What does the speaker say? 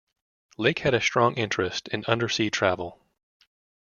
Lake had a strong interest in undersea travel.